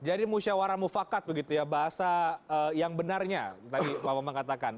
jadi musyawarah mufakat begitu ya bahasa yang benarnya tadi pak bambang katakan